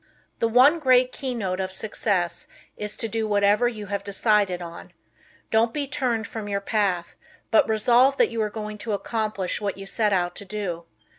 The one great keynote of success is to do whatever you have decided on. Don't be turned from your path, but resolve that you are going to accomplish what you set out to do.